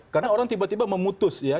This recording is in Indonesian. karena orang tiba tiba memutus ya